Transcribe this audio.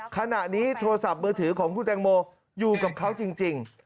ขณะนี้โทรศัพท์มือถือของคุณแตงโมอยู่กับเขาจริง